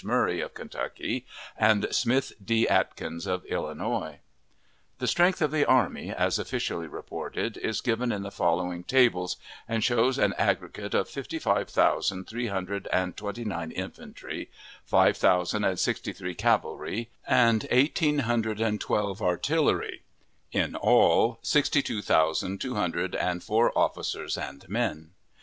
Murray, of Kentucky, and Smith D. Atkins, of Illinois. The strength of the army, as officially reported, is given in the following tables, and shows an aggregate of fifty five thousand three hundred and twenty nine infantry, five thousand and sixty three cavalry, and eighteen hundred and twelve artillery in all, sixty two thousand two hundred and four officers and men.